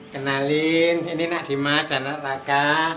kenalin ini nak dimas dan nak raka